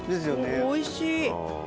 おいしい。